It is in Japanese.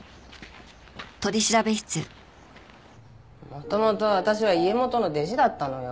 元々私は家元の弟子だったのよ。